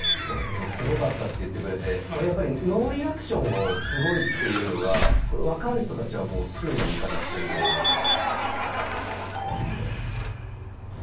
今、すごかったって言ってくれて、これやっぱり、ノーリアクションをすごいっていうのが、これ、分かる人たちはもう通な見方してると思うんですよ。